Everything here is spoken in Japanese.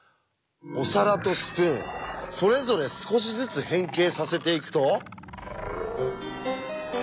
お皿とスプーンそれぞれ少しずつ変形させていくと。